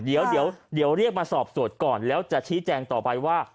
เดี๋ยวเรียกมาสอบสวดก่อนแล้วจะชี้แจงต่อไปว่า